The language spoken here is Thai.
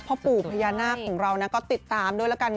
พ่อปู่พญานาคของเรานะก็ติดตามด้วยละกัน